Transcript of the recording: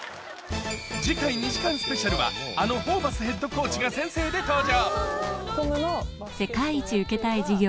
・次回２時間スペシャルはあのホーバスヘッドコーチが先生で登場